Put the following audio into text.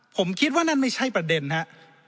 ผมคิดว่านั่นไม่ใช่ประเด็นครับ